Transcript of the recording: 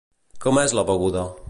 Com és la beguda?